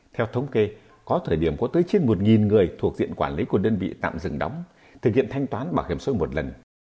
theo thống kê có thời điểm có tới trên một người thuộc diện quản lý của đơn vị tạm dừng đóng thực hiện thanh toán bảo hiểm xã hội một lần